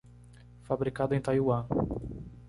Fabricado em Taiwan.